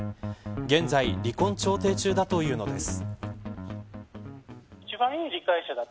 現在離婚調停中だというのです。